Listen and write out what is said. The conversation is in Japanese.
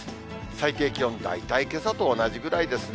最低気温、大体けさと同じぐらいですね。